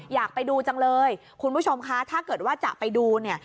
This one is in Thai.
อยากไปดูจังเลยคุณผู้ชมคะถ้าเกิดว่าจะไปดูเนี่ย